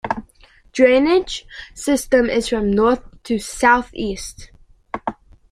Drainage system is from north to south-east.